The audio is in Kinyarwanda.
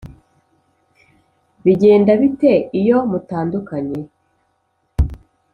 bigenda bite iyo mutandukanye